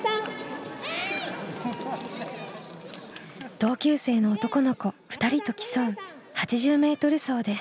同級生の男の子２人と競う８０ｍ走です。